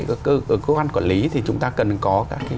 ở cơ quan quản lý thì chúng ta cần có